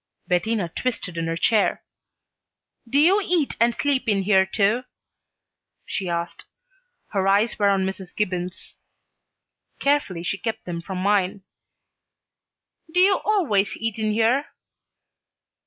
Bettina twisted in her chair. "Do you eat and sleep in here, too?" she asked. Her eyes were on Mrs. Gibbons. Carefully she kept them from mine. "Do you always eat in here?"